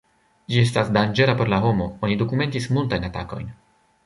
Ĝi estas danĝera por la homo, oni dokumentis multajn atakojn.